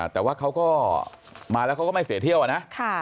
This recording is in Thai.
แต่ว่าเขาก็มาแล้วเขาก็ไม่เสียเที่ยวนะ